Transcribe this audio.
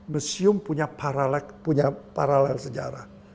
museum punya paralel sejarah